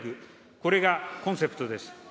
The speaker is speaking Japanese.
これがコンセプトです。